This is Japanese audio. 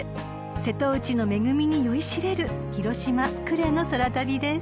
［瀬戸内の恵みに酔いしれる広島呉の空旅です］